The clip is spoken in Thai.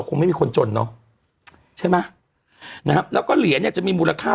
คงไม่มีคนจนเนอะใช่ไหมนะครับแล้วก็เหรียญเนี่ยจะมีมูลค่า